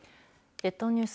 列島ニュース